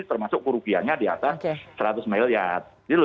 termasuk kerugiannya di atas seratus miliar